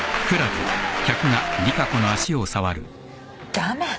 駄目。